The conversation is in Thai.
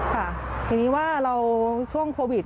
ค่ะทีนี้ว่าช่วงโควิด